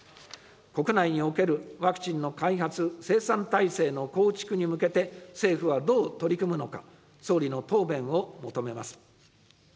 国内におけるワクチンの開発・生産体制の構築に向けて、政府はどう取り組むのか、総理の答弁を求めます。